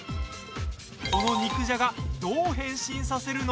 この肉じゃがどう変身させるの？